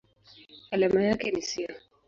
Alama yake ni SiO.